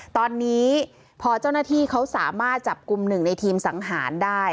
ตอนนี้พอเจ้าหน้าที่เขาสามารถจับกลุ่มหนึ่งในทีมสังหารได้